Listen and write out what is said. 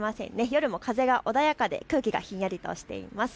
夜も風が穏やかで空気がひんやりとしています。